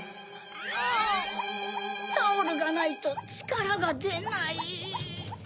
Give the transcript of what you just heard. あぁタオルがないとちからがでない。